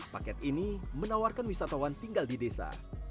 paket ini menawarkan wisatawan tinggal di desa